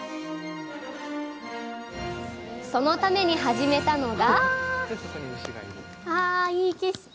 そのために始めたのが？